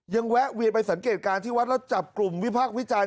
แวะเวียนไปสังเกตการณ์ที่วัดแล้วจับกลุ่มวิพากษ์วิจารณ